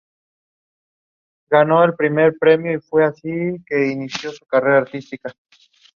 Por desgracia, su madre Mizuho, no le gustó la idea de la revancha.